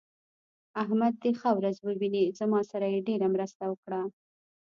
احمد دې ښه ورځ وويني؛ زما سره يې ډېره مرسته وکړه.